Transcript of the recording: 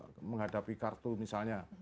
kemudian kalau menghadapi kartu misalnya